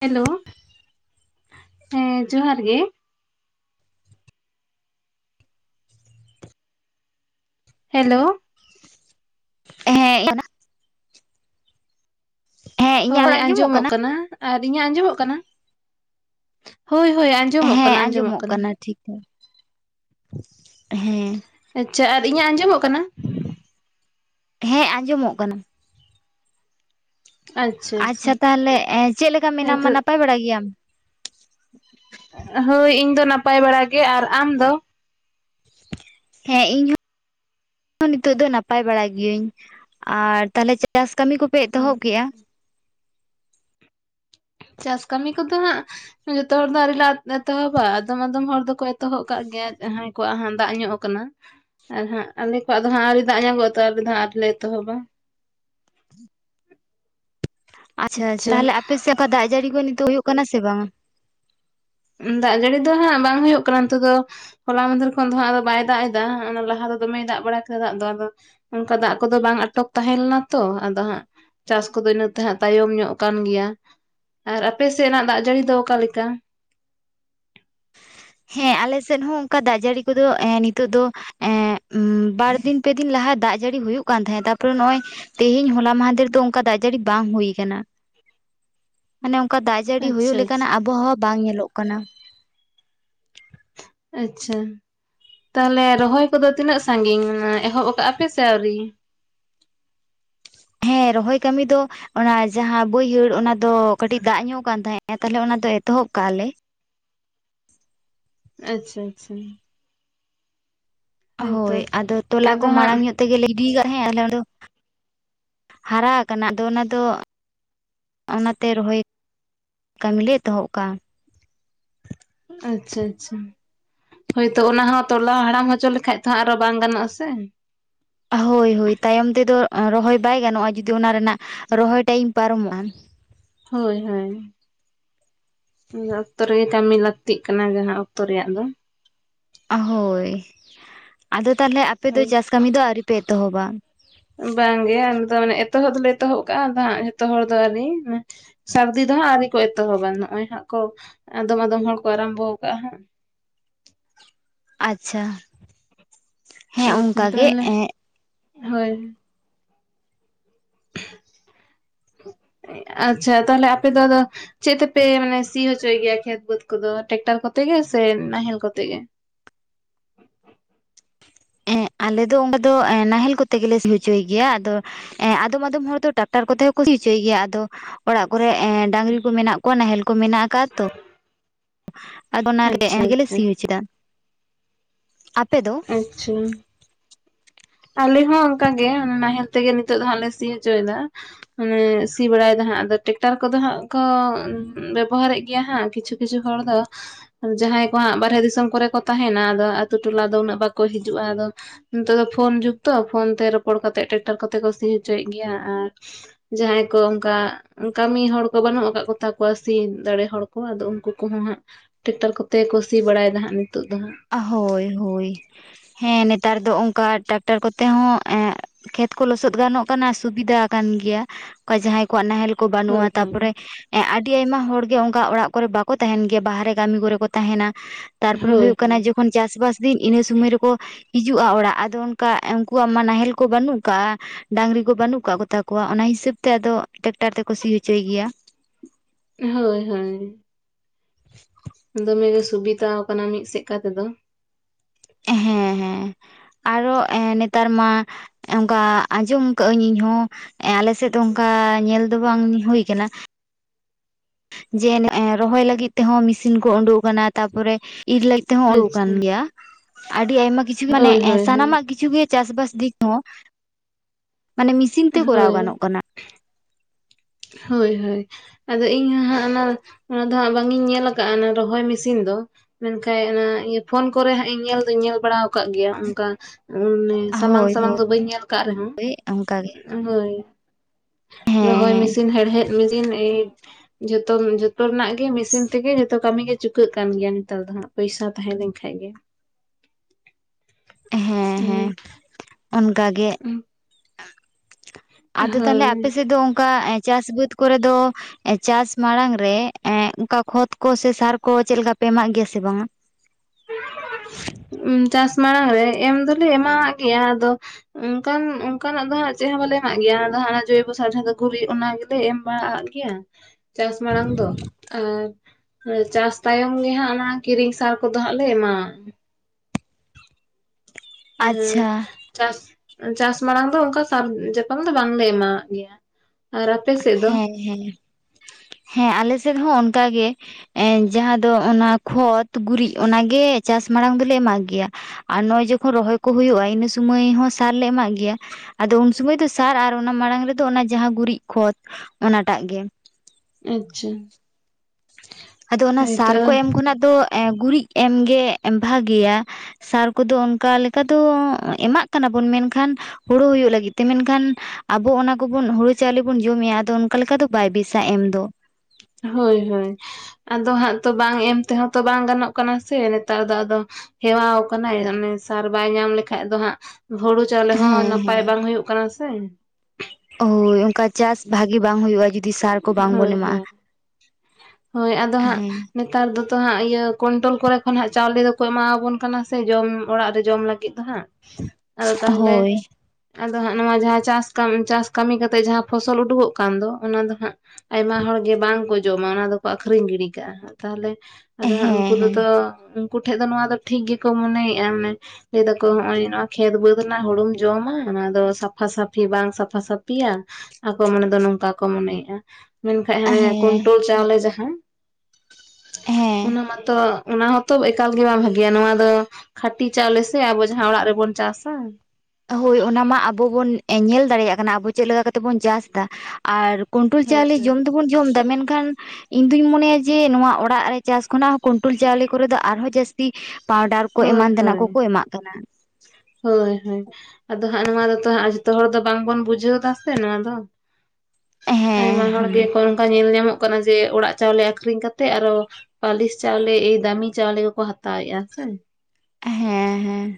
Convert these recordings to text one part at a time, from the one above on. Hello ᱦᱮᱸ ᱡᱚᱦᱟᱨ ᱜᱮ᱾ ᱦᱮᱞᱳ ᱦᱮᱸ᱾ ᱦᱮᱸ ᱤᱧᱟᱹᱜ ᱨᱚᱲ ᱦᱳᱭ ᱟᱸᱡᱚᱢᱚᱜ ᱠᱟᱱᱟ᱾ ᱟᱨ ᱤᱧᱟᱹᱜ ᱟᱸᱡᱚᱢᱚᱜ ᱠᱟᱱᱟ? ᱦᱳᱭ ᱦᱚᱭ ᱟᱸᱢᱚᱢ ᱦᱮᱸ ᱠᱟᱱᱟ ᱟᱸᱡᱚᱢᱚᱜ ᱠᱟᱱᱟ ᱟᱸᱡᱚᱢᱚᱜ ᱴᱷᱤᱠ ᱴᱷᱟᱠ ᱦᱮᱸ ᱠᱟᱱᱟ᱾ ᱟᱪᱪᱷᱟ ᱟᱨ ᱤᱧᱟᱹᱜ ᱟᱸᱡᱚᱢᱚᱜ ᱠᱟᱱᱟ? ᱦᱮᱸ ᱟᱸᱡᱚᱢᱚᱜ ᱠᱟᱱᱟ᱾ ᱟᱪᱪᱷᱟ ᱛᱟᱦᱚᱞᱮ ᱪᱮᱜ ᱞᱮᱠᱟ ᱢᱮᱱᱟᱢᱟ ᱦᱮᱸᱛᱚ ᱱᱟᱯᱟᱭ ᱵᱟᱲᱟ ᱜᱮᱭᱟᱢ? ᱦᱳᱭ ᱤᱧ ᱫᱚ ᱱᱟᱯᱟᱭ ᱵᱟᱲᱟ ᱜᱮ᱾ ᱟᱨ ᱟᱢ ᱫᱚ? ᱦᱮᱸ ᱤᱧ ᱦᱚᱸ᱾ ᱱᱤᱛᱚᱜ ᱫᱚ ᱱᱟᱯᱟᱭ ᱵᱟᱲᱟ ᱜᱤᱭᱟᱹᱧ᱾ ᱟᱨ ᱛᱟᱦᱞᱮ ᱪᱟᱥ ᱠᱟᱹᱢᱤ ᱠᱚᱯᱮ ᱮᱛᱚᱦᱚᱵ ᱠᱮᱜᱼᱟ? ᱪᱟᱥ ᱠᱟᱹᱢᱤ ᱠᱚᱫᱚ ᱦᱟᱸᱜ ᱡᱚᱛᱚ ᱦᱚᱲ ᱫᱚ ᱟᱹᱣᱨᱤ ᱞᱮ ᱮᱛᱚᱦᱚᱵᱟ᱾ ᱟᱫᱚᱢ ᱟᱫᱚᱢ ᱦᱚᱲ ᱫᱚᱠᱚ ᱮᱛᱚᱦᱚᱵ ᱠᱟᱜ ᱜᱮᱭᱟ᱾ ᱡᱟᱦᱟᱸᱭ ᱠᱚᱣᱟᱜ ᱦᱟᱸᱜ ᱫᱟᱜ ᱧᱚᱜ ᱟᱠᱟᱱᱟ᱾ ᱟᱨ ᱦᱟᱸᱜ ᱟᱞᱮ ᱠᱚᱣᱟᱜ ᱫᱚ ᱦᱟᱸᱜ ᱟᱣᱨᱤ ᱫᱟᱜ ᱧᱚᱜᱚ ᱛᱟᱞᱮ ᱫᱚ ᱦᱟᱸᱜ ᱟᱹᱣᱨᱤ ᱞᱮ ᱮᱛᱚᱦᱚᱵᱟ᱾ ᱟᱪᱪᱷᱟ ᱟᱪᱪᱷᱟ ᱛᱟᱦᱚᱞᱮ ᱟᱯᱮ ᱥᱮᱫ ᱫᱟᱜ ᱡᱟᱹᱲᱤ ᱠᱚ ᱱᱤᱛᱳᱜ ᱦᱩᱭᱩᱜ ᱠᱟᱱᱟ ᱥᱮ ᱵᱟᱝ? ᱫᱟᱜ ᱡᱟᱹᱲᱤ ᱫᱚ ᱦᱟᱸᱜ ᱵᱟᱝ ᱦᱩᱭᱩᱜ ᱠᱟᱱᱟ᱾ ᱱᱤᱛᱚᱜ ᱫᱚ ᱦᱚᱞᱟ ᱢᱟᱫᱷᱮᱨ ᱠᱷᱚᱱ ᱫᱚ ᱦᱟᱸᱜ ᱟᱫᱚ ᱵᱟᱭ ᱫᱟᱜ ᱮᱫᱟ᱾ ᱚᱱᱟ ᱞᱟᱦᱟ ᱫᱚ ᱫᱚᱢᱮᱭ ᱫᱟᱜ ᱵᱟᱲᱟᱭ ᱠᱮᱫᱟ ᱫᱟᱜ ᱫᱚ᱾ ᱟᱫᱚ ᱚᱝᱠᱟ ᱫᱟᱜ ᱠᱚᱫᱚ ᱵᱟᱝ ᱟᱴᱚᱠ ᱛᱟᱦᱮᱸ ᱞᱮᱱᱟ ᱛᱚ ᱟᱫᱚ ᱦᱟᱸᱜ ᱪᱟᱥ ᱠᱚᱫᱚ ᱤᱱᱟᱹ ᱛᱮ ᱦᱟᱸᱜ ᱛᱟᱭᱚᱢ ᱧᱚᱜ ᱠᱟᱱ ᱜᱮᱭᱟ᱾ ᱟᱨ ᱟᱯᱮ ᱥᱮᱱᱟᱜ ᱫᱟᱜ ᱡᱟᱹᱲᱤ ᱫᱚ ᱚᱠᱟᱞᱮᱠᱟ? [inaudible] ᱦᱮᱸ ᱟᱞᱮ ᱥᱮᱫ ᱦᱚᱸ ᱚᱱᱠᱟ ᱫᱟᱜ ᱡᱟᱲᱤ ᱠᱚᱫᱚ ᱮ ᱱᱤᱛᱚᱜ ᱫᱚ ᱮᱸᱜ ᱵᱟᱨ ᱫᱤᱱ ᱯᱮ ᱫᱤᱱ ᱞᱟᱦᱟ ᱫᱟᱜ ᱡᱟᱲᱤ ᱦᱩᱭᱩᱜ ᱠᱟᱱ ᱛᱟᱦᱮᱸ ᱛᱟᱨᱯᱚᱨᱮ ᱱᱚᱜᱼᱚᱭ ᱛᱤᱦᱤᱧ ᱦᱚᱞᱟ ᱢᱟᱦᱫᱷᱮᱨ ᱫᱚ ᱚᱱᱠᱟ ᱫᱟᱜ ᱡᱟᱲᱤ ᱵᱟᱝ ᱦᱩᱭ ᱟᱠᱟᱱᱟ᱾ ᱢᱟᱱᱮ ᱚᱱᱠᱟ ᱫᱟᱜ ᱡᱟᱹᱲᱤ ᱟᱪᱪᱷᱟ ᱦᱩᱭᱩᱜ ᱟᱪᱪᱷᱟ ᱞᱮᱠᱟᱱᱟᱜ ᱟᱵᱚᱦᱟᱣᱟ ᱵᱟᱝ ᱧᱮᱞᱚᱜ ᱠᱟᱱᱟ᱾ ᱟᱪᱪᱷᱟ᱾ ᱛᱟᱦᱞᱮ ᱨᱚᱦᱚᱭ ᱠᱚᱫᱚ ᱛᱤᱱᱟᱹᱜ ᱥᱟᱸᱜᱤᱧ ᱮᱦᱚᱵ ᱟᱠᱟᱜᱼᱟ ᱯᱮ ᱥᱮ ᱟᱣᱨᱤ? ᱦᱮᱸ ᱨᱚᱦᱚᱭ ᱠᱟᱢᱤ ᱫᱚ ᱚᱱᱟ ᱡᱟᱸᱦᱟᱸ ᱵᱟᱹᱭᱦᱟᱹᱲ ᱚᱱᱟ ᱫᱚ ᱠᱟᱴᱤᱡ ᱫᱟᱜ ᱧᱚᱜ ᱠᱟᱱ ᱛᱟᱦᱮᱸᱜ ᱛᱟᱦᱞᱮ ᱚᱱᱟ ᱫᱚ ᱮᱛᱚᱦᱚᱵ ᱠᱟᱜᱼᱟ ᱞᱮ᱾ ᱟᱪᱪᱷᱟ ᱟᱪᱪᱷᱟ᱾ ᱦᱳᱭᱛᱚ ᱦᱳᱭ ᱟᱫᱚ ᱛᱚᱞᱟ ᱠᱚ ᱟᱫᱚ ᱦᱟᱸᱜ ᱢᱟᱲᱟᱝ ᱧᱚᱜ ᱛᱮᱜᱮᱞᱮ ᱜᱤᱰᱤᱭ ᱠᱟᱜ ᱛᱟᱦᱮᱸ ᱛᱟᱦᱞᱮ ᱟᱫᱚ ᱦᱟᱨᱟ ᱟᱠᱟᱱᱟ᱾ ᱟᱫᱚ ᱚᱱᱟ ᱫᱚ ᱚᱱᱟᱛᱮ ᱨᱚᱦᱚᱭ ᱠᱟᱹᱢᱤ ᱞᱮ ᱮᱛᱚᱦᱚᱵ ᱠᱟᱜᱼᱟ᱾ ᱟᱪᱪᱷᱟ ᱟᱪᱪᱷᱟ᱾ ᱦᱳᱭᱛᱚ ᱚᱱᱟ ᱦᱚᱸ ᱛᱚᱞᱟ ᱦᱟᱲᱟᱢ ᱦᱚᱪᱚ ᱞᱮᱠᱷᱟᱡ ᱛᱚ ᱟᱨᱚ ᱵᱟᱝ ᱜᱟᱱᱚᱜᱼᱟ ᱥᱮ᱾ ᱦᱳᱭ ᱦᱳᱭ ᱛᱟᱭᱚᱢ ᱛᱮᱫᱚ ᱨᱚᱦᱚᱭ ᱵᱟᱭ ᱜᱟᱱᱚᱜᱼᱟ ᱡᱩᱫᱤ ᱚᱱᱟ ᱨᱮᱱᱟᱜ ᱨᱚᱦᱚᱭ ᱴᱟᱭᱤᱢ ᱯᱟᱨᱚᱢᱚᱜᱼᱟ᱾ ᱦᱳᱭ ᱦᱳᱭ᱾ ᱚᱱᱟ ᱚᱠᱛᱚ ᱨᱮᱜᱮ ᱠᱟᱢᱤ ᱞᱟᱠᱛᱤᱜ ᱠᱟᱱᱟ ᱡᱟᱸᱦᱟᱸ ᱚᱠᱛᱚ ᱨᱮᱭᱟᱜ ᱫᱚ᱾ ᱦᱳᱭ᱾ ᱟᱫᱚ ᱛᱟᱦᱞᱮ ᱟᱯᱮ ᱫᱚ ᱦᱳᱭ ᱪᱟᱥ ᱠᱟᱢᱤ ᱫᱚ ᱟᱣᱨᱤ ᱯᱮ ᱮᱛᱚᱦᱚᱵᱟ? ᱵᱟᱝᱜᱮ ᱟᱞᱮ ᱫᱚ ᱢᱟᱱᱮ ᱮᱛᱚᱦᱚᱵ ᱫᱚᱞᱮ ᱮᱛᱚᱦᱚᱵ ᱠᱟᱜᱼᱟ ᱟᱫᱚ ᱦᱟᱸᱜ ᱡᱚᱛᱚ ᱦᱚᱲ ᱫᱚ ᱟᱣᱨᱤ᱾ ᱥᱟᱨᱫᱤ ᱫᱚ ᱦᱟᱸᱜ ᱟᱣᱨᱤ ᱠᱚ ᱮᱛᱚᱦᱚᱵᱟ᱾ ᱱᱚᱜᱼᱚᱭ ᱦᱟᱸᱜ ᱠᱚ ᱟᱫᱚᱢ ᱟᱫᱚᱢ ᱦᱚᱲ ᱠᱚ ᱟᱨᱟᱢᱵᱚ ᱟᱠᱟᱜᱼᱟ ᱦᱟᱸᱜ᱾ ᱟᱪᱪᱷᱟ᱾ ᱦᱮᱸ ᱟᱪᱪᱷᱟ ᱚᱱᱠᱟ ᱜᱮ ᱛᱟᱦᱞᱮ ᱮᱸ ᱦᱳᱭ [inaudible] ᱟᱪᱪᱷᱟ ᱛᱟᱦᱞᱮ ᱟᱯᱮ ᱫᱚ ᱟᱫᱚ ᱪᱮᱫ ᱛᱮᱯᱮ ᱢᱟᱱᱮ ᱥᱤ ᱦᱚᱪᱚᱭ ᱜᱮᱭᱟ ᱠᱷᱮᱛ ᱵᱟᱹᱫᱽ ᱠᱚᱫᱚ ᱴᱨᱟᱠᱴᱟᱨ ᱠᱚᱛᱮ ᱜᱮ ᱥᱮ ᱱᱟᱦᱮᱞ ᱠᱚᱛᱮ ᱜᱮ? ᱮᱸᱜ ᱟᱞᱮ ᱫᱚ ᱚᱸᱰᱮ ᱫᱚ ᱱᱟᱦᱮᱞ ᱠᱚᱛᱮ ᱜᱮᱞᱮ ᱥᱤ ᱦᱚᱪᱚᱭ ᱜᱮᱭᱟ ᱟᱫᱚ ᱮᱸ ᱟᱫᱚᱢ ᱟᱫᱚᱢ ᱦᱚᱲ ᱫᱚ ᱴᱟᱠᱴᱟᱨ ᱠᱚᱛᱮ ᱦᱚᱸᱠᱚ ᱥᱤ ᱦᱚᱪᱚᱭ ᱜᱮᱭᱟ᱾ ᱟᱫᱚ ᱚᱲᱟᱜ ᱠᱚᱨᱮ ᱮᱸ ᱰᱟᱝᱨᱤ ᱠᱚ ᱢᱮᱱᱟᱜ ᱠᱚᱣᱟ ᱱᱟᱦᱮᱞ ᱠᱚ ᱢᱮᱱᱟᱜ ᱟᱠᱟᱜᱼᱟᱛᱚ᱾ ᱟᱫᱚ ᱚᱱᱟᱨᱮᱻᱮ ᱟᱪᱪᱷᱟ ᱜᱮᱞᱮ ᱟᱪᱪᱷᱟ ᱥᱤ ᱦᱚᱪᱚᱭᱟ᱾ ᱟᱯᱮ ᱫᱚ? ᱪᱩᱧ ᱟᱞᱮ ᱦᱚᱸ ᱚᱱᱠᱟ ᱜᱮ ᱱᱟᱦᱮᱞ ᱛᱮᱜᱮ ᱱᱤᱛᱚᱜ ᱫᱚ ᱦᱟᱸᱜ ᱞᱮ ᱥᱤ ᱦᱚᱪᱚᱭᱫᱟ᱾ ᱢᱟᱱᱮ ᱥᱤ ᱵᱟᱲᱟᱭᱫᱟ ᱦᱟᱸᱜ ᱟᱫᱚ ᱴᱮᱠᱴᱟᱨ ᱠᱚᱫᱚ ᱦᱟᱸᱜ ᱠᱚ ᱵᱮᱵᱚᱦᱟᱨᱮᱜ ᱜᱮᱭᱟ ᱦᱟᱸᱜ ᱠᱤᱪᱷᱩ ᱠᱤᱪᱷᱩ ᱦᱚᱲ ᱫᱚ ᱡᱟᱸᱦᱟᱸᱭ ᱠᱚ ᱦᱟᱸᱜ ᱵᱟᱨᱦᱮ ᱫᱤᱥᱚᱢ ᱠᱚᱨᱮ ᱠᱚ ᱛᱟᱦᱮᱱᱟ ᱟᱫᱚ ᱟᱛᱩ ᱴᱚᱞᱟ ᱫᱚ ᱩᱱᱟᱹᱜ ᱵᱟᱠᱚ ᱦᱤᱡᱩᱜᱼᱟ᱾ ᱟᱫᱚ ᱱᱤᱛᱚᱜ ᱫᱚ ᱯᱷᱳᱱ ᱡᱩᱜᱽ ᱛᱚ ᱯᱷᱳᱱ ᱛᱮ ᱨᱚᱯᱚᱲ ᱠᱟᱛᱮᱫ ᱴᱮᱠᱴᱟᱨ ᱠᱚᱛᱮ ᱠᱚ ᱥᱤ ᱦᱚᱪᱚᱭᱮᱫ ᱜᱮᱭᱟ᱾ ᱟᱨ ᱡᱟᱸᱦᱟᱸᱭ ᱠᱚ ᱚᱝᱠᱟ ᱠᱟᱢᱤ ᱦᱚᱲ ᱠᱚ ᱵᱟᱱᱩᱜ ᱟᱠᱟᱫ ᱠᱚᱛᱟ ᱠᱚᱣᱟ ᱥᱤᱱ ᱫᱟᱲᱮ ᱦᱚᱲ ᱠᱚ ᱟᱫᱚ ᱩᱱᱠᱩ ᱠᱚᱸᱦᱚᱸ ᱦᱟᱸᱜ ᱴᱮᱠᱴᱟᱨ ᱠᱚᱛᱮ ᱜᱮᱠᱚ ᱥᱤ ᱵᱟᱲᱟᱭ ᱫᱟ ᱦᱟᱸᱜ ᱱᱤᱛᱚᱜ ᱫᱚ ᱦᱟᱸᱜ ᱦᱳᱭ ᱦᱳᱭ ᱦᱮᱸ ᱱᱮᱛᱟᱨ ᱫᱚ ᱚᱱᱠᱟ ᱴᱟᱠᱴᱟᱨ ᱠᱚᱛᱮ ᱦᱚᱸ ᱮᱸᱜ ᱠᱷᱮᱛ ᱠᱚ ᱞᱚᱥᱚᱫ ᱜᱟᱱᱚᱜ ᱠᱟᱱᱟ ᱥᱩᱵᱤᱫᱟ ᱟᱠᱟᱱ ᱜᱮᱭᱟ᱾ ᱡᱟᱸᱦᱟᱸᱭ ᱠᱚᱣᱟᱜ ᱱᱟᱦᱮᱞ ᱠᱚ ᱵᱟᱱᱩᱜᱼᱟ ᱦᱳᱭ ᱦᱳᱭ ᱛᱟᱯᱚᱨᱮ ᱟᱰᱤ ᱟᱭᱢᱟ ᱦᱚᱲ ᱜᱮ ᱚᱱᱠᱟ ᱚᱲᱟᱜ ᱠᱚᱨᱮ ᱵᱟᱠᱚ ᱛᱟᱦᱮᱱ ᱜᱮᱭᱟ ᱵᱟᱦᱨᱮ ᱠᱟᱢᱤ ᱠᱚᱨᱮ ᱠᱚ ᱛᱟᱦᱮᱱᱟᱺ ᱛᱟᱨᱯᱚᱨᱮ ᱦᱳᱭ ᱦᱩᱭᱩᱜ ᱠᱟᱱᱟ ᱦᱳᱭ ᱡᱚᱠᱷᱚᱱ ᱪᱟᱥ ᱵᱟᱥ ᱫᱤᱱ ᱤᱱᱟᱹ ᱥᱩᱢᱚᱭ ᱨᱮᱠᱚ ᱦᱤᱡᱩᱜᱼᱟ ᱚᱲᱟᱜ ᱟᱫᱚ ᱚᱱᱠᱟ ᱩᱱᱠᱩᱣᱟᱜ ᱢᱟ ᱱᱟᱦᱮᱞ ᱠᱚ ᱵᱟᱱᱩᱜ ᱠᱟᱜᱼᱟ᱾ ᱰᱟᱝᱨᱤ ᱠᱚ ᱵᱟᱱᱩᱜ ᱠᱟᱜ ᱠᱚᱛᱟ ᱠᱚᱣᱟ ᱚᱱᱟ ᱦᱤᱥᱟᱹᱵ ᱛᱮ ᱟᱫᱚ ᱴᱮᱠᱴᱟᱨ ᱛᱮᱠᱚ ᱥᱤ ᱦᱚᱪᱚᱭ ᱜᱮᱭᱟ᱾ ᱦᱳᱭ ᱦᱳᱭ ᱫᱚᱢᱮᱜᱮ ᱥᱩᱵᱤᱫᱟ ᱟᱠᱟᱱᱟ ᱢᱤᱫ ᱥᱮᱫ ᱠᱟᱜ ᱛᱮᱫᱚ ᱦᱮᱸ ᱦᱮᱸ ᱟᱨᱚ ᱮᱸ ᱱᱮᱛᱟᱨ ᱢᱟ ᱚᱝᱠᱟ ᱟᱸᱡᱚᱢ ᱠᱟᱹᱜ ᱟᱹᱧ ᱤᱧᱦᱚᱸ ᱟᱞᱮ ᱥᱮᱫ ᱫᱚ ᱚᱱᱠᱟ ᱧᱮᱞ ᱫᱚ ᱵᱟᱝ ᱦᱩᱭ ᱠᱟᱱᱟ᱾ ᱡᱮ ᱱᱮᱜᱼᱮ ᱨᱚᱦᱚᱭ ᱞᱟᱜᱤᱫ ᱛᱮᱸᱦᱚᱸ ᱢᱮᱥᱤᱱ ᱠᱚ ᱳᱸᱰᱳᱸᱜᱽ ᱠᱟᱱᱟ ᱛᱟᱯᱚᱨᱮ ᱤᱨ ᱞᱟᱜᱤᱫ᱾ ᱛᱮᱸᱦᱚᱸ ᱩᱰᱩᱠ ᱟᱠᱟᱱ ᱟᱪᱪᱷᱟ ᱜᱮᱭᱟ ᱟᱰᱤ ᱟᱭᱢᱟ ᱠᱤᱪᱷᱩ ᱢᱟᱱᱮ ᱦᱳᱭ ᱦᱳᱭ ᱦᱳᱭ ᱥᱟᱱᱟᱢᱟᱜ ᱠᱤᱪᱷᱩ ᱜᱮ ᱪᱟᱥ ᱵᱟᱥ ᱫᱤᱱ ᱫᱚᱸ ᱢᱟᱱᱮ ᱢᱮᱥᱤᱱ ᱛᱮ ᱠᱚᱨᱟᱣ ᱦᱳᱭ ᱜᱟᱱᱚᱜ ᱠᱟᱱᱟ ᱦᱳᱭ ᱦᱳᱭ ᱟᱫᱚ ᱤᱧ ᱦᱚᱸ ᱦᱟᱸᱜ ᱚᱱᱟ ᱚᱱᱟ ᱫᱚ ᱦᱟᱸᱜ ᱵᱟᱝ ᱤᱧ ᱧᱮᱞ ᱟᱠᱟᱫᱟᱼᱟ ᱚᱱᱟ ᱨᱚᱦᱚᱭ ᱢᱮᱥᱤᱱ ᱫᱚ ᱢᱮᱱᱠᱷᱟ ᱚᱱᱟ ᱯᱷᱳᱱ ᱠᱚᱨᱮ ᱦᱟᱜ‌ ᱤᱧ ᱧᱮᱞ ᱫᱩᱧ ᱧᱮᱞ ᱵᱟᱲᱟ ᱟᱠᱟᱟᱜ ᱜᱮᱭᱟ ᱚᱱᱠᱟ ᱥᱟᱢᱟᱝ ᱦᱳᱭ ᱥᱟᱢᱟᱝ ᱫᱚ ᱦᱳᱭ ᱵᱟᱹᱧ ᱧᱮᱞ ᱠᱟᱜ ᱨᱮᱦᱚᱸ ᱚᱱᱠᱟᱜᱮ ᱦᱳᱭ ᱨᱚᱦᱚᱭ ᱦᱮᱸ ᱢᱮᱥᱤᱱ [unintelligible] ᱡᱚᱛᱚ ᱡᱷᱚᱛᱚ ᱨᱮᱱᱟᱜ ᱢᱮᱥᱤᱱ ᱛᱮᱜᱮ ᱡᱷᱚᱛᱚ ᱠᱟᱹᱢᱤ ᱜᱮ ᱪᱩᱠᱟᱹᱜ ᱠᱟᱱ ᱜᱮᱭᱟ ᱱᱮᱛᱟᱨ ᱫᱚ ᱦᱟᱸᱜ ᱾ ᱯᱚᱭᱥᱟ ᱛᱟᱦᱮᱸ ᱞᱮᱱ ᱠᱷᱟᱡ ᱜᱤ᱾ ᱦᱮᱸ ᱦᱮᱸ ᱚᱱᱠᱟ ᱜᱮ ᱜᱮ ᱟᱫᱚ ᱛᱟᱦᱚᱞᱮ ᱦᱳᱭ ᱟᱯᱮ ᱥᱮᱫ ᱫᱚ ᱚᱱᱠᱟ ᱪᱟᱥ ᱵᱟᱹᱫᱽ ᱠᱚᱨᱮ ᱫᱚ ᱪᱟᱥ ᱢᱟᱲᱟᱝ ᱨᱮ ᱮ ᱚᱱᱠᱟ ᱠᱷᱚᱛ ᱠᱚ ᱥᱮ ᱥᱟᱨ ᱠᱚ ᱪᱮᱫ ᱞᱮᱠᱟ ᱯᱮ ᱮᱢᱟᱜ ᱜᱮᱭᱟ ᱥᱮ ᱵᱟᱝ? [inaudible] ᱪᱟᱥ ᱢᱟᱲᱟᱝ ᱨᱮ ᱮᱢ ᱫᱚᱞᱮ ᱮᱢᱟᱣᱟᱜ ᱜᱮᱭᱟ, ᱟᱫᱚ ᱚᱱᱠᱟᱱ ᱚᱱᱠᱟᱱᱟᱜ ᱫᱚ ᱦᱟᱜ ᱪᱮᱫ ᱦᱚᱸ ᱵᱟᱞᱮ ᱮᱢᱟᱜ ᱜᱮᱭᱟ ᱫᱚ ᱚᱱᱟ ᱡᱳᱚᱭᱵᱚᱥᱟᱨ ᱡᱟᱦᱟᱸ ᱫᱚ ᱜᱩᱨᱤᱡ ᱚᱱᱟ ᱞᱮ ᱮᱢ ᱵᱟᱲᱟᱜ ᱜᱮᱭᱟ ᱪᱟᱥ ᱢᱟᱲᱟᱝ ᱫᱚ, ᱟᱨ ᱪᱟᱥ ᱛᱟᱭᱚᱢ ᱜᱮᱦᱟᱸᱜ ᱚᱱᱟ ᱠᱤᱨᱤᱧ ᱥᱟᱨ ᱠᱚᱫᱚ ᱦᱟᱸᱜ ᱞᱮ ᱮᱢᱟᱣᱟᱜ-ᱟ ᱟᱪᱪᱷᱟ [unintelligible] ᱪᱟᱥ ᱪᱟᱥ ᱢᱟᱲᱟᱝ ᱫᱚ ᱚᱱᱠᱟ ᱥᱟᱨ ᱡᱟᱯᱚᱱ ᱫᱚ ᱵᱟᱝᱞᱮ ᱮᱢᱟᱜ ᱜᱮᱭᱟ, ᱟᱨ ᱥᱮᱫ ᱫᱚ ᱦᱮᱸ ᱦᱮᱸ, ᱦᱮᱸ ᱟᱞᱮ ᱥᱮᱫ ᱦᱚᱸ ᱚᱱᱠᱟ ᱜᱮ᱾ ᱡᱟᱦᱟᱸ ᱫᱚ ᱚᱱᱟ ᱠᱷᱚᱛ ᱜᱩᱨᱤᱡ ᱚᱱᱟᱜᱮ ᱪᱟᱥ ᱢᱟᱲᱟᱝ ᱫᱚᱞᱮ ᱮᱢᱟᱜ ᱜᱮᱭᱟ ᱟᱨ ᱱᱚᱜᱼᱚᱭ ᱡᱚᱠᱷᱚᱱ ᱨᱚᱦᱚᱭ ᱠᱚ ᱦᱩᱭᱩᱜᱼᱟ ᱤᱱᱟᱹ ᱥᱚᱢᱚᱭ ᱦᱚᱸ ᱥᱟᱨ ᱞᱮ ᱮᱢᱟᱜ ᱜᱮᱭᱟ ᱟᱫᱚ ᱩᱱ ᱥᱚᱢᱚᱭ ᱫᱚ ᱥᱟᱨ ᱟᱨ ᱚᱱᱟ ᱢᱟᱲᱟᱝ ᱨᱮᱫᱚ ᱚᱱᱟ ᱡᱟᱦᱟᱸ ᱜᱩᱨᱤᱡ ᱠᱷᱚᱛ ᱚᱱᱟᱴᱟᱜ ᱜᱮ ᱟᱪᱪᱷᱟ ᱟᱫᱚ ᱚᱱᱟ ᱥᱟᱨ ᱦᱳᱭᱛᱚ ᱠᱚ ᱮᱢ ᱠᱷᱚᱱᱟᱜ ᱫᱚ ᱜᱩᱨᱤᱡ ᱮᱢᱜᱮ ᱵᱷᱟᱜᱮᱭᱟ ᱥᱟᱨ ᱠᱚᱫᱚ ᱚᱱᱠᱟ ᱞᱮᱠᱟ ᱫᱚ ᱮᱢᱟᱜ ᱠᱟᱱᱟ ᱵᱚᱱ ᱢᱮᱱᱠᱷᱟᱱ ᱦᱳᱲᱳ ᱦᱩᱭᱩᱜ ᱞᱟᱹᱜᱤᱫ ᱛᱮ ᱢᱮᱱᱠᱷᱟᱱ ᱟᱵᱚ ᱚᱱᱟ ᱠᱚᱵᱚᱱ ᱦᱩᱲᱩ ᱪᱟᱣᱞᱮ ᱵᱚᱱ ᱡᱚᱢ ᱮᱫᱟ ᱟᱫᱚ ᱚᱱᱠᱟ ᱞᱮᱠᱟ ᱫᱚ ᱵᱟᱭ ᱵᱮᱥᱟ ᱮᱢ ᱫᱚ ᱦᱳᱭ ᱦᱳᱭ ᱟᱫᱚ ᱦᱟᱸᱜ ᱛᱚ ᱵᱟᱝ ᱮᱢ ᱛᱮᱦᱚᱸ ᱛᱚ ᱵᱟᱝ ᱜᱟᱱᱚᱜ ᱠᱟᱱᱟ ᱥᱮ ᱱᱮᱛᱟᱨ ᱫᱚ ᱟᱫᱚ ᱦᱮᱣᱟᱣ ᱠᱟᱱᱟᱭ ᱚᱱᱮ ᱥᱟᱨ ᱵᱟᱭ ᱧᱟᱢ ᱞᱮᱠᱷᱟᱱ ᱫᱚ ᱦᱟᱸᱜ ᱦᱩᱲᱩ ᱪᱟᱣᱞᱮ ᱦᱚᱸ ᱦᱮᱸ ᱱᱟᱯᱟᱭ ᱦᱮᱸ ᱵᱟᱝ ᱦᱩᱭᱩᱜ ᱠᱟᱱᱟ ᱥᱮ ᱦᱳᱭ ᱚᱱᱠᱟ ᱪᱟᱥ ᱵᱷᱟᱜᱤ ᱵᱟᱝ ᱦᱳᱭᱳᱜᱼᱟ ᱡᱩᱫᱤ ᱥᱟᱨ ᱠᱚ ᱵᱟᱝ ᱦᱳᱭ ᱵᱚᱱ ᱦᱳᱭ ᱮᱢᱟᱜᱼᱟ ᱦᱳᱭ ᱟᱫᱚ ᱦᱟᱸᱜ ᱦᱮᱸ ᱱᱮᱛᱟᱨ ᱫᱚ ᱛᱚ ᱦᱟᱸᱜ ᱤᱭᱟᱹ ᱠᱚᱱᱴᱳᱞ ᱠᱚᱨᱮ ᱠᱷᱚᱱ ᱦᱟᱸᱜ ᱪᱟᱣᱞᱮ ᱫᱚᱠᱚ ᱮᱢᱟᱣᱟᱵᱚᱱ ᱠᱟᱱᱟ ᱥᱮ ᱡᱚᱢ ᱚᱲᱟᱜ ᱨᱮ ᱡᱚᱢ ᱞᱟᱹᱜᱤᱫ ᱫᱚ ᱦᱟᱸᱜ ᱦᱪ [inaudible] ᱟᱫᱚ ᱛᱟᱦᱚᱞᱮ ᱟᱫᱚ ᱦᱟᱸᱜ ᱱᱚᱣᱟ ᱡᱟᱦᱟᱸ ᱪᱟᱥ ᱠᱟᱹᱢᱤ ᱪᱟᱥ ᱠᱟᱹᱢᱤ ᱠᱟᱛᱮᱜ ᱡᱟᱦᱟᱸ ᱯᱷᱚᱥᱚᱞ ᱩᱰᱩᱠᱚᱜ ᱠᱟᱱ ᱫᱚ ᱚᱱᱟ ᱫᱚ ᱦᱟᱸᱜ ᱟᱭᱢᱟ ᱦᱚᱲᱜᱮ ᱵᱟᱝᱠᱚ ᱡᱚᱢᱟ ᱚᱱᱟ ᱫᱚᱠᱚ ᱟᱠᱷᱨᱤᱧ ᱜᱤᱰᱤ ᱠᱟᱜᱼᱟ ᱛᱟᱦᱚᱞᱮ ᱟᱫᱚ ᱦᱟᱸᱜ ᱩᱱᱠᱩ ᱦᱮᱸ ᱫᱚ ᱦᱮᱸ ᱛᱚ ᱩᱱᱠᱩ ᱴᱷᱮᱡ ᱫᱚ ᱱᱚᱣᱟ ᱫᱚ ᱴᱷᱤᱠ ᱜᱮᱠᱚ ᱢᱚᱱᱮᱭᱮᱫᱟ ᱢᱟᱱᱮ ᱞᱟᱹᱭ ᱫᱟᱠᱚ ᱱᱚᱜᱼᱚᱭ ᱱᱚᱣᱟ ᱠᱷᱮᱛ ᱵᱟᱹᱫᱽ ᱨᱮᱱᱟᱜ ᱦᱩᱲᱩᱢ ᱡᱚᱢᱟ ᱚᱱᱟ ᱫᱚ ᱥᱟᱯᱷᱟ ᱥᱟᱯᱷᱤ ᱵᱟᱝ ᱥᱟᱯᱷᱟ ᱥᱟᱯᱷᱤᱭᱟ ᱟᱠᱚ ᱢᱚᱱᱮ ᱫᱚ ᱱᱚᱝᱠᱟ ᱠᱚ ᱢᱚᱱᱮᱭᱮᱫᱼᱟ ᱢᱮᱱᱠᱷᱟᱡ ᱦᱟᱱᱮ ᱦᱮᱸ ᱠᱩᱱᱴᱚᱞ ᱪᱟᱣᱞᱮ ᱡᱟᱦᱟᱸ ᱦᱮᱸ ᱚᱱᱟ ᱢᱟᱛᱚ ᱚᱱᱟ ᱦᱚᱸᱛᱚ ᱮᱠᱟᱞ ᱜᱮ ᱵᱟᱝ ᱵᱷᱟᱜᱮᱭᱟ ᱱᱚᱣᱟ ᱫᱚ ᱠᱷᱟᱹᱴᱤ ᱪᱟᱣᱞᱮ ᱥᱮ ᱟᱵᱚ ᱡᱟᱦᱟᱸ ᱚᱲᱟᱜ ᱨᱮᱵᱚᱱ ᱪᱟᱥᱟ ᱦᱳᱭ ᱚᱱᱟᱢᱟ ᱟᱵᱚ ᱵᱚᱱ ᱧᱮᱞ ᱫᱟᱲᱮᱭᱟᱜ ᱠᱟᱱᱟ ᱟᱵᱚ ᱪᱮᱫ ᱞᱮᱠᱟ ᱠᱟᱛᱮᱜ ᱵᱚᱱ ᱪᱟᱥ ᱮᱫᱟ ᱟᱨ ᱠᱩᱱᱴᱩᱞ ᱦᱳᱭ ᱪᱟᱣᱞᱮ ᱦᱳᱭ ᱡᱚᱢ ᱫᱚᱵᱚᱱ ᱡᱚᱢ ᱮᱫᱟ ᱢᱮᱱᱠᱷᱟᱱ ᱤᱧ ᱫᱩᱧ ᱢᱚᱱᱮᱭᱟ ᱡᱮ ᱱᱚᱣᱟ ᱚᱲᱟᱜ ᱨᱮ ᱪᱟᱥ ᱠᱷᱚᱱᱟᱜ ᱦᱚᱸ ᱠᱩᱱᱴᱩᱞ ᱪᱟᱣᱞᱮ ᱠᱚᱨᱮ ᱫᱚ ᱟᱨᱦᱚᱸ ᱡᱟᱹᱥᱛᱤ ᱯᱟᱣᱰᱟᱨ ᱠᱚ ᱦᱳᱭ ᱮᱢᱟᱱ ᱛᱮᱱᱟᱜ ᱦᱳᱭ ᱠᱚᱠᱚ ᱮᱢᱟᱜ ᱠᱟᱱᱟ ᱦᱳᱭ ᱦᱳᱭ ᱟᱫᱚ ᱦᱟᱸᱜ ᱱᱚᱣᱟ ᱫᱚ ᱛᱚ ᱦᱟᱸᱜ ᱡᱚᱛᱚ ᱦᱚᱲ ᱫᱚ ᱵᱟᱝ ᱵᱚᱱ ᱵᱩᱡᱷᱟᱹᱣ ᱫᱟ ᱥᱮ ᱱᱚᱣᱟ ᱫᱚ ᱟᱭᱢᱟ ᱦᱮᱸ ᱦᱚᱲ ᱦᱮᱸ ᱜᱮᱠᱚ ᱚᱱᱠᱟ ᱧᱮᱞ ᱧᱟᱢᱚᱜ ᱠᱟᱱᱟ ᱠᱟᱱᱟ ᱡᱮ ᱚᱲᱟᱜ ᱪᱟᱣᱞᱮ ᱟᱠᱷᱨᱤᱧ ᱠᱟᱛᱮ ᱟᱨᱚ᱾ ᱯᱟᱹᱞᱤᱥ ᱪᱟᱣᱞᱮ ᱮᱭ ᱫᱟᱹᱢᱤ ᱪᱟᱣᱞᱮ ᱜᱮᱠᱚ ᱦᱟᱛᱟᱣᱮᱜ-ᱟ ᱦᱮᱸ-ᱥᱮ᱾ ᱦᱮᱸ ᱦᱮᱸ᱾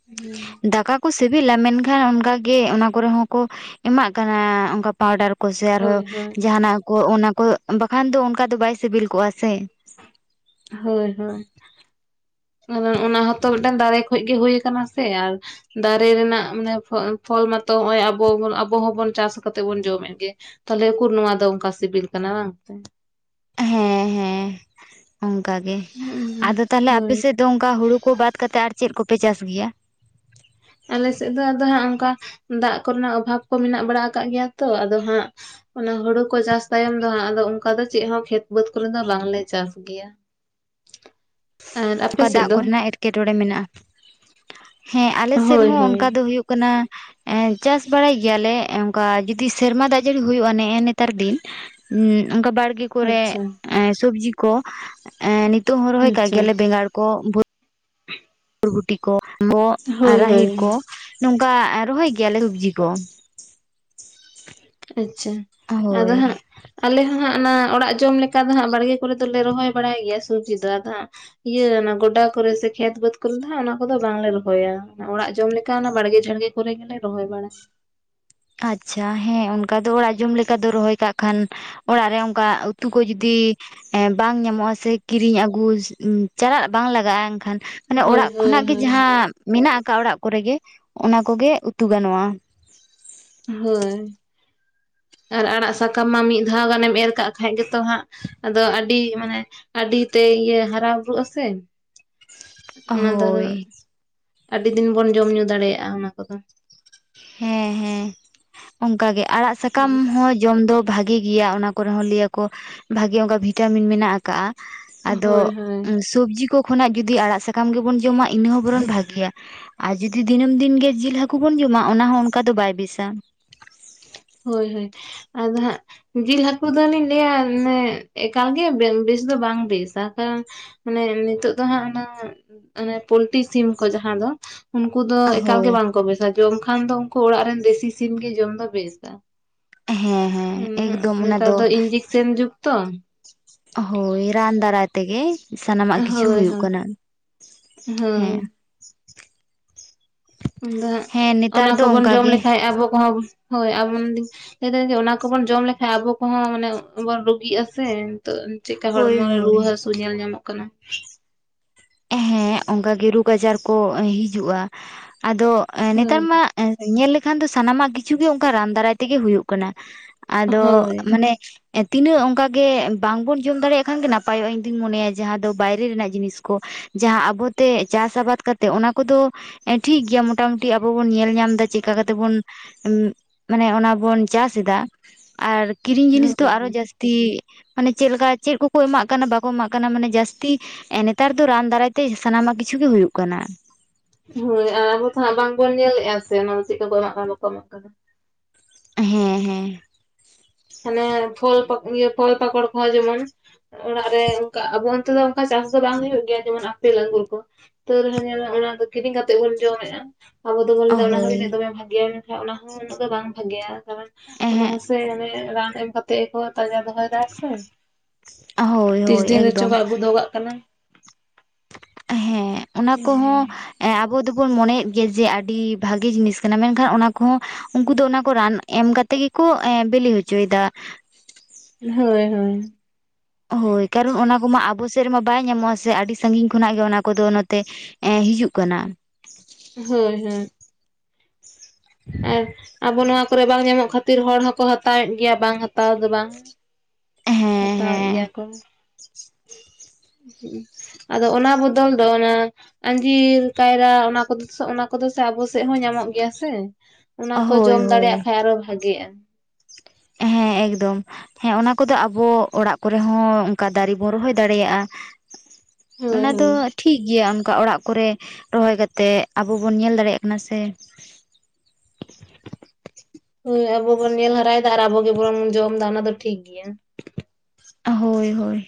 [inaudible] ᱫᱟᱠᱟ ᱠᱚ ᱥᱤᱵᱤᱞᱟ ᱢᱮᱱᱠᱷᱟᱱ ᱚᱱᱠᱟ ᱜᱮ ᱚᱱᱟ ᱠᱚᱨᱮ ᱦᱚᱸᱠᱚ ᱮᱢᱟᱜ ᱠᱟᱱᱟ ᱚᱱ ᱯᱟᱣᱰᱟᱨ ᱠᱚ ᱥᱮ ᱟᱨᱦᱚᱸ ᱦᱳᱭ ᱦᱳᱭ ᱡᱟᱦᱟᱱᱟᱜ ᱠᱚ ᱚᱱᱟ ᱠᱚ ᱵᱟᱠᱷᱟᱱ ᱫᱚ ᱚᱱᱠᱟ ᱫᱚ ᱵᱟᱭ ᱥᱤᱵᱤᱞ ᱠᱚᱜᱼᱟ ᱥᱮ᱾ ᱦᱳᱭ ᱦᱳᱭ ᱚᱱᱟ ᱦᱚᱸᱛᱚ ᱢᱤᱫᱴᱮᱱ ᱫᱟᱨᱮ ᱠᱷᱚᱡ ᱜᱮ ᱦᱩᱭ ᱠᱟᱱᱟ ᱥᱮ ᱟᱨ᱾ ᱫᱟᱨᱮ ᱨᱮᱱᱟᱜ ᱢᱟᱱᱮ ᱯᱷᱚᱞ ᱢᱟᱛᱚ ᱱᱚᱸᱜᱼᱚᱭ ᱟᱵᱚ ᱵᱚᱱ ᱟᱵᱚ ᱦᱚᱸᱵᱚᱱ ᱪᱟᱥ ᱠᱟᱛᱮᱜ ᱵᱚᱱ ᱡᱚᱢᱮᱫ ᱜᱮ ᱛᱟᱦᱞᱮ ᱩᱠᱩᱨ ᱱᱚᱭᱟ ᱫᱚ ᱚᱱᱠᱟ ᱥᱤᱵᱤᱞ ᱠᱟᱱᱟ ᱵᱟᱝᱛᱮ ᱦᱮᱸ ᱦᱮᱸ᱾ ᱚᱱᱠᱟ ᱜᱮ ᱟᱫᱚ ᱛᱟᱦᱚᱞᱮ ᱦᱳᱭ ᱟᱯᱮᱥᱮᱫ ᱫᱚ ᱚᱱᱠᱟ ᱦᱩᱲᱩ ᱠᱚ ᱵᱟᱫᱽ ᱠᱟᱛᱮᱫ ᱟᱨ ᱪᱮᱫ ᱠᱚᱯᱮ ᱪᱟᱥ ᱜᱮᱭᱟ᱾ ᱟᱞᱮᱥᱮᱫ ᱫᱚ ᱟᱫᱚ ᱦᱟᱸᱜ ᱚᱱᱠᱟ ᱫᱟᱜ ᱠᱚᱨᱮᱱᱟᱜ ᱚᱵᱷᱟᱵᱽ ᱠᱚ ᱢᱮᱱᱟᱜ ᱵᱟᱲᱟ ᱟᱠᱟᱫ ᱜᱮᱭᱟ ᱛᱚ ᱟᱫᱚ ᱦᱟᱸᱜ᱾ ᱚᱱᱟ ᱦᱩᱲᱩ ᱠᱚ ᱪᱟᱥ ᱛᱟᱭᱚᱢ ᱫᱚ ᱦᱟᱸᱜ ᱟᱫᱚ ᱚᱱᱠᱟ ᱫᱚ ᱪᱮᱫ ᱦᱚᱸ ᱠᱷᱮᱛ ᱵᱟᱹᱫ ᱠᱚᱨᱮ ᱫᱚ ᱵᱟᱝᱞᱮ ᱪᱟᱥ ᱜᱮᱭᱟ᱾ [inaudible] ᱟᱨ ᱟᱯᱮ ᱚᱠᱟ ᱥᱮᱫ ᱫᱟᱜ ᱫᱚ? ᱠᱚᱨᱮᱱᱟᱜ ᱮᱴᱠᱮᱴᱚᱬᱮ ᱢᱮᱱᱟᱜ-ᱟ ᱦᱮᱸ ᱟᱞᱮ ᱥᱮᱫ ᱦᱳᱭ ᱦᱚᱸ ᱦᱳᱭ ᱚᱱᱠᱟ ᱫᱚ ᱦᱩᱭᱩᱜ ᱾ ᱠᱟᱱᱟ᱾ [inaudible] ᱮ ᱪᱟᱥ ᱵᱟᱲᱟᱭ ᱜᱮᱭᱟᱞᱮ ᱚᱱᱠᱟ ᱡᱩᱫᱤ ᱥᱮᱨᱢᱟ ᱫᱟᱜ ᱡᱟᱹᱲᱤ ᱦᱩᱭᱩᱜᱼᱟ ᱱᱮ-ᱮ ᱱᱮᱛᱟᱨ ᱫᱤᱱ᱾ [unintelligible] ᱚᱱᱠᱟ ᱵᱟᱲᱜᱮ᱾ ᱠᱚᱨᱮ ᱟᱪᱪᱷᱟ ᱥᱚᱵᱽᱡᱤ ᱠᱚ ᱮ ᱱᱤᱛᱚᱜ ᱦᱚᱸ ᱨᱚᱦᱚᱭ᱾ ᱠᱟᱜ ᱟᱪᱪᱷᱟ ᱜᱮᱭᱟᱞᱮ ᱟᱪᱪᱷᱟ ᱵᱮᱸᱜᱟᱲ ᱠᱚ ᱵᱚᱨᱵᱷᱩᱴᱤ ᱠᱚ [unintelligible] ᱟᱨ ᱦᱳᱭ ᱦᱳᱭ ᱨᱟᱦᱮᱲ ᱠᱚ ᱱᱚᱝᱠᱟ ᱨᱚᱦᱚᱭ ᱜᱮᱭᱟᱞᱮ ᱥᱚᱵᱡᱤ ᱠᱚ᱾ ᱟᱪᱪᱷᱟ [inaudible] ᱟᱫᱚ ᱦᱳᱭ ᱦᱟᱸᱜ᱾ ᱟᱞᱮ ᱦᱚᱸ ᱦᱟᱸᱜ ᱚᱱᱟ ᱚᱲᱟᱜ ᱡᱚᱢ ᱞᱮᱠᱟ ᱫᱚ ᱦᱟᱸᱜ ᱵᱟᱲᱜᱮ ᱠᱚᱨᱮ ᱫᱚᱞᱮ ᱨᱚᱦᱚᱭ ᱵᱟᱲᱟᱭ ᱜᱮᱭᱟ ᱥᱚᱵᱡᱤ ᱫᱚ ᱟᱫᱚ ᱦᱟᱸᱜ ᱾ ᱤᱭᱟᱹ ᱚᱱᱟ ᱜᱚᱰᱟ ᱠᱚᱨᱮ ᱥᱮ ᱠᱷᱮᱛ ᱵᱟᱹᱫᱽ ᱠᱚᱨᱮ ᱫᱚ ᱦᱟᱸᱜ ᱚᱱᱟ ᱠᱚᱫᱚ ᱵᱟᱝᱞᱮ ᱨᱚᱦᱚᱭᱟ ᱚᱲᱟᱜ ᱡᱚᱢ ᱞᱮᱠᱟ ᱚᱱᱟ ᱵᱟᱲᱜᱮ ᱡᱷᱟᱲᱜᱮ ᱯᱚᱚᱨ ᱜᱮᱞᱮ ᱨᱚᱦᱚᱭ ᱵᱟᱲᱟᱭ᱾ ᱟᱪᱪᱷᱟ ᱦᱮᱸ ᱚᱱᱠᱟ ᱫᱚ ᱚᱲᱟᱜ ᱡᱚᱢ ᱞᱮᱠᱟ ᱫᱚ ᱨᱚᱦᱚᱭ ᱠᱟᱜ ᱠᱷᱟᱱ ᱚᱲᱟᱜ ᱨᱮ ᱚᱱᱠᱟ ᱩᱛᱩ ᱠᱚ ᱡᱩᱫᱤ ᱮ ᱵᱟᱝ ᱧᱟᱢᱚᱜᱼᱟ ᱥᱮ ᱠᱤᱨᱤᱧ ᱟᱹᱜᱩ ᱪᱟᱞᱟᱜ ᱵᱟᱝ ᱞᱟᱜᱟᱜᱼᱟ ᱮᱱᱠᱷᱟᱱ᱾ ᱢᱟᱱᱮ ᱦᱳᱭ ᱚᱲᱟᱜ ᱦᱳᱭ ᱠᱷᱚᱱᱟᱜ ᱜᱮ ᱦᱳᱭ ᱡᱟᱦᱟᱸ ᱢᱮᱱᱟᱜ ᱟᱠᱟᱫ ᱚᱲᱟᱜ ᱠᱚᱨᱮ ᱜᱮ ᱚᱱᱟ ᱠᱚᱜᱮ ᱩᱛᱩ ᱜᱟᱱᱚᱜᱼᱟ᱾ ᱦᱚᱭ᱾ ᱟᱨ ᱟᱲᱟᱜ ᱥᱟᱠᱟᱢ ᱢᱟ ᱢᱤᱫ ᱫᱷᱟᱣ ᱜᱟᱱᱮᱢ ᱮᱨ ᱠᱟᱜ ᱠᱷᱟᱡ ᱜᱮᱛᱚ ᱦᱟᱸᱜ ᱟᱫᱚ ᱟᱹᱰᱤ ᱢᱟᱱᱮ ᱟᱹᱰᱤ ᱛᱮ ᱤᱭᱟᱹ ᱦᱟᱨᱟ ᱵᱩᱨᱩᱜ ᱟᱥᱮ ᱚᱱᱟ ᱫᱚ ᱟᱫᱚ ᱦᱳᱭ [inaudible] ᱟᱹᱰᱤ ᱫᱤᱱ ᱵᱚᱱ ᱡᱚᱢ ᱧᱩ ᱫᱟᱲᱮᱭᱟᱜᱼᱟ ᱚᱱᱟ ᱠᱚᱫᱚ᱾ ᱦᱮᱸ ᱦᱮᱸ [inaudible] ᱚᱱᱠᱟᱜᱮ ᱟᱲᱟᱜ ᱥᱟᱠᱟᱢ ᱦᱚᱸ ᱡᱚᱢ ᱫᱚ ᱵᱷᱟᱜᱮ ᱜᱮᱭᱟ ᱚᱱᱟ ᱠᱚᱨᱮ ᱦᱚᱸ ᱞᱟᱹᱭᱟᱠᱚ ᱵᱷᱟᱜᱤ ᱚᱱᱠᱟ ᱵᱷᱤᱴᱟᱢᱤᱱ ᱢᱮᱱᱟᱜ ᱟᱠᱟᱫᱟ᱾ [unintelligible] ᱟᱫᱚ ᱦᱳᱭ ᱦᱳᱭ ᱩᱢ᱾ ᱥᱚᱵᱽᱡᱤ ᱠᱚ ᱠᱷᱚᱱᱟᱜ ᱡᱩᱫᱤ ᱟᱲᱟᱜ ᱥᱟᱠᱟᱢ ᱜᱮᱵᱚᱱ ᱡᱚᱢᱟ ᱤᱱᱟᱹ ᱦᱚᱸ ᱵᱚᱨᱚᱱ ᱵᱷᱟᱜᱮᱭᱟ᱾ ᱟᱨ ᱡᱩᱫᱤ ᱫᱤᱱᱟᱹᱢ ᱫᱤᱱᱜᱮ ᱡᱤᱞ ᱦᱟᱹᱠᱩ ᱵᱚᱱ ᱡᱚᱢᱟ ᱚᱱᱟ ᱦᱚᱸ ᱚᱱᱠᱟ ᱫᱚ ᱵᱟᱭ ᱵᱮᱥᱟ᱾ ᱦᱚᱭ ᱦᱚᱭ [inaudible] ᱟᱫᱚ ᱦᱟᱸᱜ ᱡᱤᱞ ᱦᱟᱹᱠᱩ ᱫᱚᱞᱤᱧ ᱞᱟᱹᱭᱟ ᱢᱟᱱᱮ ᱮᱠᱟᱞᱜᱮ ᱵᱮᱥ ᱫᱚ ᱵᱟᱝ ᱵᱮᱥᱟ ᱠᱟᱨᱚᱱ ᱢᱟᱱᱮ ᱱᱤᱛᱚᱜ ᱫᱚ ᱦᱟᱸᱜ ᱚᱱᱟ [unintelligible] ᱦᱟᱱᱮ ᱯᱳᱞᱴᱤ ᱥᱤᱢ ᱠᱚ ᱡᱟᱦᱟᱸ ᱫᱚ᱾ ᱩᱱᱠᱩ ᱫᱚ ᱮᱠᱟᱞᱜᱮ ᱦᱳᱭ ᱵᱟᱝ ᱠᱚ ᱵᱮᱥᱟ ᱡᱚᱢ ᱠᱷᱟᱱ ᱫᱚ ᱩᱱᱠᱩ ᱚᱲᱟᱜ ᱨᱮᱱ ᱫᱮᱥᱤ ᱥᱤᱢ ᱜᱮ ᱡᱚᱢ ᱫᱚ ᱵᱮᱥᱟ᱾ ᱦᱮᱸ ᱦᱮᱸ ᱮᱠᱫᱚᱢ [unintelligible] ᱚᱱᱟ ᱱᱮᱛᱟᱨ ᱫᱚ ᱤᱧᱡᱮᱠᱥᱮᱱ ᱡᱩᱜᱽ ᱛᱚ᱾ ᱦᱚᱭ ᱨᱟᱱ ᱫᱟᱨᱟᱭ ᱛᱮ ᱜᱮ᱾ ᱥᱟᱱᱟᱢᱟᱜ ᱠᱤᱪᱷᱩ ᱦᱳᱭ ᱦᱩᱭᱩᱜ ᱦᱳᱭ ᱠᱟᱱᱟ ᱦᱳᱭ [unintelligible] ᱦᱮᱸ᱾ ᱩᱱ ᱫᱚ ᱦᱟᱹᱜ ᱦᱮᱸ [unintelligible] ᱚᱱᱟ ᱱᱮᱛᱟᱨ ᱫᱚ ᱠᱚᱵᱚᱱ ᱚᱱᱠᱟ ᱡᱚᱢ ᱜᱮ ᱞᱮᱠᱷᱟᱡ ᱟᱵᱚ ᱠᱚᱦᱚᱸ ᱦᱚᱭ [unintelligible] ᱞᱟᱹᱭ ᱫᱟᱹᱧ ᱡᱮ ᱚᱱᱟ ᱠᱚᱵᱚᱱ ᱡᱚᱢ ᱞᱮᱠᱷᱟᱱ ᱟᱵᱚ ᱠᱚᱦᱚᱸ ᱢᱟᱱᱮ ᱵᱚᱱ ᱨᱩᱜᱤᱜᱼᱟ ᱥᱮ᱾ ᱛᱚ ᱪᱮᱫᱮᱠᱟ ᱦᱳᱭ ᱦᱚᱲᱢᱚ ᱨᱮ ᱦᱳᱭ ᱨᱩᱣᱟᱹ ᱦᱟᱹᱥᱩ ᱧᱮᱞ ᱧᱟᱢᱚᱜ ᱠᱟᱱᱟ᱾ ᱦᱮᱸ ᱚᱱᱠᱟ ᱜᱮ ᱨᱥᱜᱽ ᱟᱡᱟᱨ ᱠᱚ ᱦᱤᱡᱩᱜᱼᱟ ᱟᱫᱚ ᱱᱮᱛᱟᱨ ᱦᱳᱭ ᱢᱟ ᱮ ᱧᱮᱞ ᱞᱮᱠᱷᱟᱱ ᱫᱚ ᱥᱟᱱᱟᱢᱟᱜ ᱠᱤᱪᱷᱩ ᱜᱮ ᱚᱱᱠᱟ ᱨᱟᱱ ᱫᱟᱨᱟᱭ ᱛᱮ ᱜᱮ ᱦᱩᱭᱩᱜ ᱠᱟᱱᱟ᱾ ᱟᱫᱚᱜ ᱦᱳᱭ ᱢᱟᱱᱮᱼᱼ ᱮᱸ ᱛᱤᱱᱟᱹᱜ ᱚᱱᱠᱟ ᱜᱮ ᱵᱟᱝ ᱵᱚᱱ ᱡᱚᱢ ᱫᱟᱲᱮᱭᱟᱜ ᱠᱷᱟᱱ ᱜᱮ ᱱᱟᱯᱟᱭᱚᱜ-ᱟ ᱤᱧ ᱫᱩᱧ ᱢᱚᱱᱮᱭᱟ ᱡᱟᱦᱟᱸ ᱫᱚ ᱵᱟᱭᱨᱮ ᱨᱮᱱᱟᱜ ᱡᱤᱱᱤᱥᱼᱼ ᱠᱚ ᱡᱟᱦᱟᱸ ᱟᱵᱚ ᱛᱮ ᱪᱟᱥ ᱟᱵᱟᱫᱽ ᱠᱟᱛᱮᱜ ᱚᱱᱟ ᱠᱚᱫᱚᱼᱼ ᱮᱸ ᱴᱷᱤᱠ ᱜᱮᱭᱟ ᱢᱚᱴᱟᱼᱢᱩᱴᱤ ᱟᱵᱚ ᱵᱚᱱ ᱧᱮᱞ‌ ᱧᱟᱢᱼᱼ ᱫᱟ ᱪᱮᱠᱟ ᱠᱟᱛᱮᱜ ᱵᱩᱱ [inaudible] ᱩᱸᱢ [inaudible] ᱢᱟᱱᱮ ᱚᱱᱟ ᱵᱚᱱ ᱪᱟᱥᱮᱫᱟ [inaudible] ᱟᱨᱼᱼ ᱠᱤᱨᱤᱧ ᱡᱤᱱᱤᱥ ᱫᱚ ᱟᱨᱚ ᱦᱳᱭ ᱡᱟᱹᱥᱼᱼ ᱛᱤ ᱢᱟᱱᱮ ᱪᱮᱫ ᱞᱮᱠᱟ ᱪᱮᱜ ᱠᱚᱠᱚ ᱮᱢᱟᱜ ᱠᱟᱱᱟ ᱵᱟᱠᱚ ᱮᱢᱟᱜ ᱠᱟᱱᱟ ᱢᱟᱱᱮ ᱡᱟᱹᱥᱛᱤ ᱮᱸ ᱱᱮᱼᱼ ᱱᱮᱛᱟᱨ ᱫᱚ ᱨᱟᱱ ᱫᱟᱨᱟᱭ ᱛᱮ ᱥᱟᱱᱟᱢᱟᱜ ᱠᱤᱪᱷᱩ ᱜᱮ ᱦᱩᱭᱩᱜ ᱠᱟᱱᱟ᱾ ᱦᱚᱭ ᱟᱨ ᱟᱵᱚ ᱛᱚ ᱦᱟᱸᱜ ᱵᱟᱝ ᱵᱚᱱ ᱧᱮᱞᱮᱜ-ᱟ ᱥᱮ ᱚᱱᱟ ᱫᱚ ᱪᱮᱫ ᱠᱟ ᱠᱚ ᱮᱢᱟᱜ ᱠᱟᱱᱟ ᱵᱟᱠᱚ ᱮᱢᱟᱜ ᱠᱟᱱᱟ᱾ ᱦᱮᱸ ᱦᱮᱸ᱾ ᱢᱟᱱᱮ ᱯᱷᱚᱞ ᱯᱟ ᱤᱭᱟᱹ ᱯᱷᱚᱞ ᱯᱟᱠᱚᱲ ᱠᱚᱦᱚᱸ ᱡᱮᱢᱚᱱᱼᱼ ᱚᱲᱟᱜ ᱨᱮ ᱚᱱᱠᱟ ᱟᱵᱚ ᱚᱱᱛᱮ ᱫᱚ ᱚᱱᱠᱟ ᱪᱟᱥ ᱫᱚ ᱵᱟᱝ ᱦᱩᱭᱩᱜ ᱜᱮᱭᱟ ᱡᱮᱢᱚᱱ ᱟᱯᱮᱞ ᱟᱹᱝᱜᱩᱨ ᱠᱚ᱾ ᱛᱟᱹᱣ ᱨᱮᱦᱚᱸ ᱧᱮᱞ ᱚᱱᱟ ᱫᱚ ᱠᱤᱨᱤᱧ ᱠᱟᱛᱮ ᱵᱚᱱ ᱡᱚᱢᱮᱜ-ᱟ᱾ ᱟᱵᱚ ᱫᱚᱵᱚᱱ ᱞᱟᱹᱭ ᱫᱟ ᱚᱱᱟ ᱦᱚᱸ ᱦᱳᱭ ᱡᱟᱱᱮᱡ ᱫᱚᱢᱮ ᱵᱷᱟᱜᱮ ᱭᱟ ᱢᱮᱱ ᱠᱷᱟᱱ ᱚᱱᱟ ᱦᱚᱸ ᱩᱱᱟᱹᱜ ᱫᱚ ᱵᱟᱝ ᱵᱷᱟᱜᱮ ᱭᱟ ᱠᱟᱨᱚᱱ ᱚᱱᱟ ᱮᱦᱮᱸᱜ ᱦᱚᱸ ᱥᱮ ᱚᱱᱮ ᱼᱼ ᱨᱟᱱ ᱮᱢ ᱠᱟᱛᱮᱜ ᱜᱮ ᱠᱚ ᱛᱟᱡᱟ ᱫᱚ ᱵᱟᱭ ᱛᱟᱦᱮᱱᱟ ᱥᱮ᱾ ᱦᱳᱭ [inaudible] ᱛᱤᱥ ᱦᱳᱭ ᱫᱤᱱ ᱨᱮᱪᱚ ᱮᱠᱫᱚᱢ ᱟᱜᱩ ᱫᱚᱦᱚ ᱠᱟᱜ ᱠᱟᱱᱟ᱾ ᱦᱮᱸ ᱚᱱᱟ ᱠᱚᱦᱚᱸᱼᱼ ᱮᱸ ᱟᱵᱩ ᱫᱚᱵᱚᱱ ᱢᱚᱱᱮᱭᱮᱫ ᱜᱮᱭᱟ ᱡᱮ ᱟᱰᱤ ᱵᱷᱟᱜᱤ ᱡᱤᱱᱤᱥ ᱠᱟᱱᱟ ᱢᱮᱱᱠᱷᱟᱱ ᱚᱱᱟ ᱠᱩᱦᱚᱸ ᱩᱱᱠᱩ ᱫᱚ ᱚᱱᱟ ᱠᱚ ᱨᱟᱱ ᱮᱢ ᱠᱟᱛᱼᱼ ᱛᱮ ᱜᱮᱠᱚ ᱮᱸ ᱵᱮᱞᱤ ᱦᱚᱪᱩᱭ ᱫᱟ᱾ ᱦᱚᱭ ᱦᱚᱭ᱾ ᱦᱳᱭ ᱠᱟᱨᱚᱱ ᱚᱱᱟ ᱠᱚᱢᱟ ᱟᱵᱚ ᱥᱮᱜ ᱨᱮᱢᱟ ᱵᱟᱭ ᱧᱟᱢᱚᱜ-ᱟ ᱥᱮ ᱟᱰᱤ ᱥᱟᱸᱜᱤᱧ ᱠᱷᱚᱱᱟᱜ ᱜᱮ ᱚᱱᱟ ᱠᱚᱫᱚ ᱱᱚᱛᱮᱼᱼ ᱮᱸ ᱦᱤᱡᱩᱜ ᱠᱟᱱᱟ᱾ ᱟ ᱦᱳᱭ ᱦᱮᱸᱦᱮᱸ ᱟᱵᱚ ᱱᱚᱣᱟ ᱠᱚᱨᱮ ᱵᱟᱝ ᱧᱟᱢᱚᱜ ᱠᱷᱟᱹᱛᱤᱨ ᱦᱚᱲ ᱦᱚᱸᱠᱚ ᱦᱟᱛᱟᱣᱮᱫ ᱜᱮᱭᱟ ᱵᱟᱝ ᱦᱟᱛᱟᱣ ᱫᱚ ᱵᱟᱝ᱾ ᱦᱮᱸ ᱦᱟᱛᱟᱣᱮᱜ ᱜᱮᱭᱟ ᱦᱮᱸ ᱠᱚ᱾ ᱦᱩᱸᱜ ᱟᱫᱚ ᱚᱱᱟ ᱵᱚᱫᱚᱞ ᱫᱚ ᱚᱱᱟᱼᱼ ᱟᱸᱡᱤᱨ ᱠᱟᱹᱭᱨᱟ ᱚᱱᱟ ᱠᱚᱫᱚᱥ ᱚᱱᱟ ᱠᱚᱫᱚ ᱥᱮ ᱟᱵᱚ ᱥᱮᱜ ᱦᱚᱸ ᱧᱟᱢᱚᱜ ᱜᱮᱭᱟ ᱥᱮ᱾ ᱚᱱᱟ ᱠᱚ ᱦᱳᱭ ᱡᱚᱢ ᱦᱳᱭ ᱫᱟᱲᱮᱭᱟᱜ ᱠᱷᱟᱡ ᱟᱨᱚ ᱵᱷᱟᱜᱮᱜ-ᱟ᱾ ᱦᱮᱸ ᱮᱠᱫᱚᱢ᱾ ᱦᱮᱸ ᱚᱱᱟ ᱠᱚᱫᱚ ᱟᱵᱚ ᱚᱲᱟᱜ ᱠᱚᱨᱮ ᱦᱚᱸ ᱚᱱᱠᱟ ᱫᱟᱨᱮ ᱵᱚᱱ ᱨᱚᱦᱚᱭ ᱫᱟᱲᱮᱭᱟᱜ-ᱟ᱾ ᱦᱳᱭ ᱚᱱᱟ ᱫᱚᱼᱼ ᱦᱳᱭ ᱴᱷᱤᱠ ᱜᱮᱭᱟ ᱚᱸᱠᱟ ᱚᱲᱟᱜ ᱠᱚᱨᱮ ᱨᱚᱦᱚᱭ ᱠᱟᱛᱮᱜ ᱟᱵᱚ ᱵᱚᱱ ᱧᱮᱞ ᱫᱟᱲᱮᱭᱟᱜ ᱠᱟᱱᱟ, ᱥᱮᱼᱼ ᱦᱳᱭ ᱟᱵᱚ ᱵᱚᱱ ᱧᱮᱞ ᱦᱟᱨᱟᱭ ᱮᱫᱟ ᱟᱨ ᱟᱵᱚ ᱜᱮ ᱵᱚᱱ ᱡᱚᱢ ᱮᱫᱟ ᱚᱱᱟ ᱫᱚ ᱴᱷᱤᱠ ᱜᱮᱭᱟ᱾ ᱦᱳᱭ ᱦᱚᱭ᱾